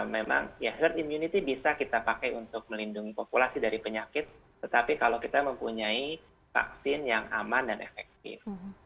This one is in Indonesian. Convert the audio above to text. memang ya herd immunity bisa kita pakai untuk melindungi populasi dari penyakit tetapi kalau kita mempunyai vaksin yang aman dan efektif